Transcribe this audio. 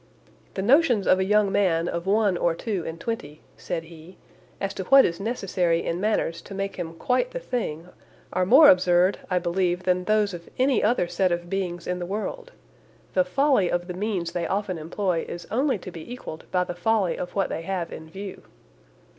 "The notions of a young man of one or two and twenty," said he, "as to what is necessary in manners to make him quite the thing, are more absurd, I believe, than those of any other set of beings in the world. The folly of the means they often employ is only to be equalled by the folly of what they have in view."